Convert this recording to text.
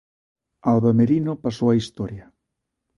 Alba Merino pasou á historia.